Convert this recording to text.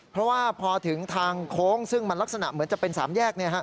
เพราะว่าพอถึงทางโค้งซึ่งมันลักษณะเหมือนจะเป็น๓แยก